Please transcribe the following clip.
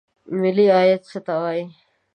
ملي عاید څه ته وایي؟